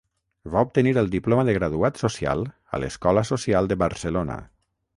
Va obtenir el diploma de graduat social a l'Escola Social de Barcelona.